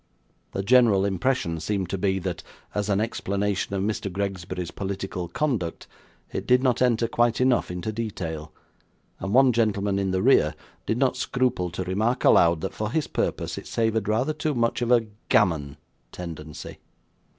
The general impression seemed to be, that as an explanation of Mr. Gregsbury's political conduct, it did not enter quite enough into detail; and one gentleman in the rear did not scruple to remark aloud, that, for his purpose, it savoured rather too much of a 'gammon' tendency.